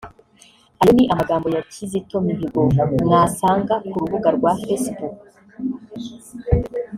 Ayo ni amagambo ya Kizito Mihigo mwasanga ku rubuga rwa Facebook